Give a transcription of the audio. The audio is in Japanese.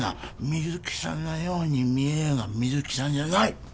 水木さんのように見えるが水木さんじゃない！